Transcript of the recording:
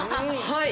はい。